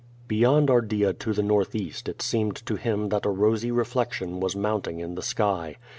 Reyond Ardea to the northeast it seemed to him that a rosy reflection was mounting in the sky.